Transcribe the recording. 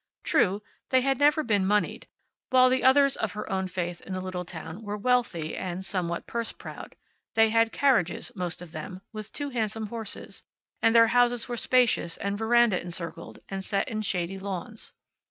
True, they had never been moneyed, while the others of her own faith in the little town were wealthy, and somewhat purse proud. They had carriages, most of them, with two handsome horses, and their houses were spacious and veranda encircled, and set in shady lawns.